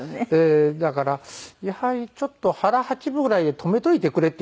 だからやはりちょっと腹八分ぐらいで止めといてくれって言いたいんですけど。